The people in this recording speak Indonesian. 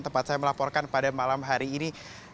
tempat saya melaporkan pada malam hari ini